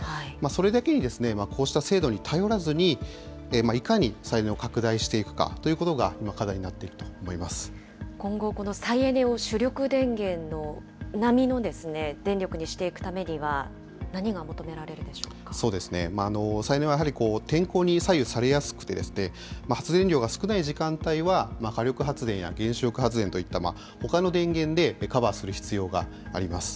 それだけに、こうした制度に頼らずに、いかに再エネを拡大していくかということが、今、課題にな今後、この再エネを主力電源並みの電力にしていくためには、何が求めら再エネはやはり、天候に左右されやすくて、発電量が少ない時間帯は火力発電や原子力発電といった、ほかの電源でカバーする必要があります。